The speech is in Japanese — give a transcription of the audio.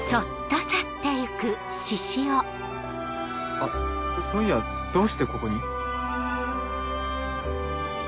あっそういやどうしてここに？